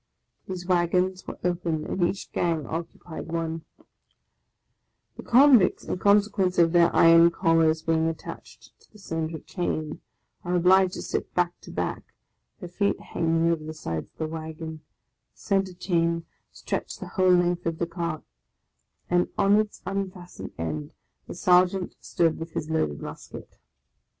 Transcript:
These wagons were open, and each gang occupied one. 60 THE LAST DAY The convicts, in consequence of their iron collars being at tached to the centre chain, are obliged to sit back to back, their feet hanging over the sides of the wagon; the centre chain stretched the whole length of the cart, and on its un fastened end the Sergeant stood with his loaded musket.